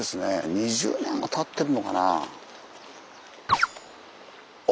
２０年はたってるのかなあ。